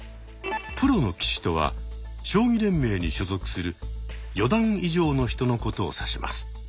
プロの棋士とは将棋連盟に所属する四段以上の人のことを指します。